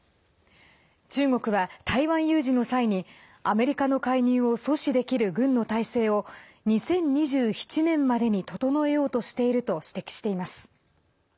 中国は、台湾有事の際にアメリカの介入を阻止できる軍の態勢を、２０２７年までに整えようとしていると指摘しています。